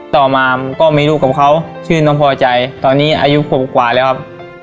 ต่อมาก็มีลูกกับเขาชื่อน้องพอใจตอนนี้อายุขวบกว่าแล้วครับ